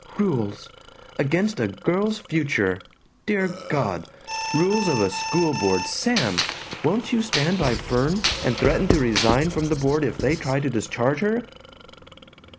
"Rules! Against a girl's future! Dear God! Rules of a school board! Sam! Won't you stand by Fern, and threaten to resign from the board if they try to discharge her?"